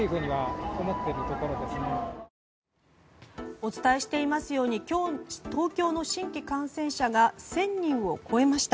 お伝えしていますように今日、東京の新規感染者が１０００人を超えました。